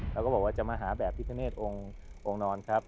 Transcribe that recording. เราก็บอกว่าจะมาหาแบบพิทธิเนธองค์องค์นอนครับ